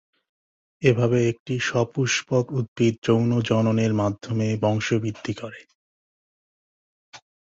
এভাবে একটি সপুষ্পক উদ্ভিদ যৌন জনন -এর মাধ্যমে বংশ বৃদ্ধি করে।